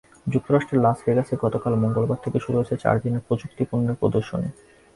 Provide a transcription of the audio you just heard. যুক্তরাষ্ট্রের লাস ভেগাসে গতকাল মঙ্গলবার থেকে শুরু হয়েছে চার দিনের প্রযুক্তিপণ্যের প্রদর্শনী।